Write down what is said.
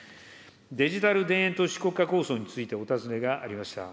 デジタル田園都市国家構想についてお尋ねがありました。